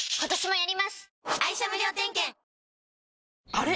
あれ？